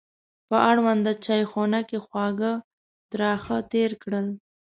په اړونده چایخونه کې خواږه ترخه تېر کړل.